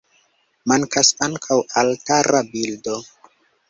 Mankas ankaŭ altara bildo.